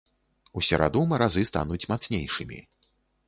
У сераду маразы стануць мацнейшымі.